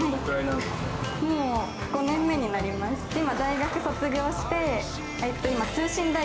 今。